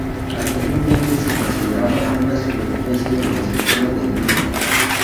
Anteriormente se consideraba una subespecie del mosquitero de Blyth.